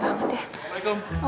lama banget ya